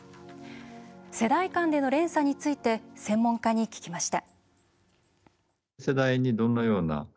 世代間での連鎖について専門家に聞きました。